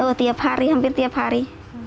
kalau tiap hari hampir tiap hari